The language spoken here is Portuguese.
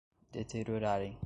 deteriorarem